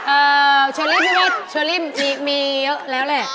เอ่อเชอร์ลี่พี่วิทย์เชอร์ลี่มีเยอะแล้วแหละ